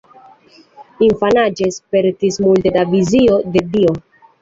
Infanaĝe spertis multe da vizioj de Dio.